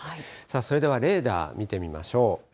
それではレーダー見てみましょう。